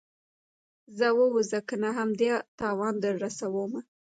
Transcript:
ځه ووځه کنه وهم دې او تاوان در رسوم.